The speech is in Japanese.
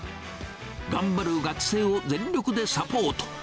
頑張る学生を全力でサポート。